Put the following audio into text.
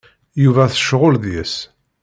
Yuba tecεel deg-s.